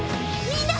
みんな！